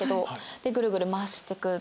でぐるぐる回してく。